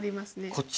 こっち？